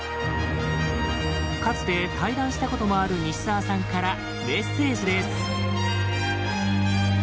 かつて対談したこともある西沢さんからメッセージです。